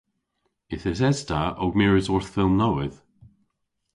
Yth eses ta ow mires orth fylm nowydh.